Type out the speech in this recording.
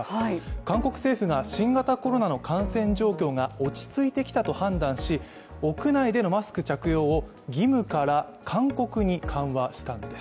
韓国政府が新型コロナの感染状況が落ち着いてきたと判断し屋内でのマスク着用を義務から勧告に緩和したんです。